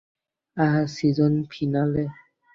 আজ season finale.